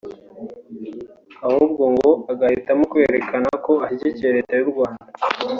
ahubwo ngo agahitamo kwerekana ko ashyigikiye leta y’ u Rwanda